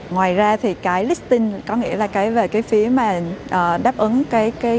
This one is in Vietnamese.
ngoài ra thì cái listing có nghĩa là cái về cái phí mà các doanh nghiệp ở gần đây